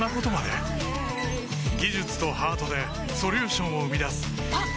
技術とハートでソリューションを生み出すあっ！